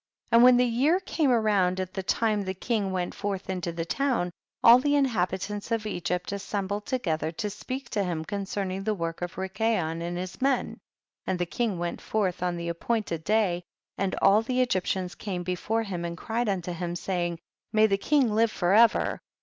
16. And when the year came round, at the time the king went forth into the town, all the inhabi tants of Egypt assembled together to speak to him concerning the work of Rikayon and his men. 17. And the king went forth on the appointed day, and all the Egyp tians came before him and cried un to him, saying, 18. May the king live forever.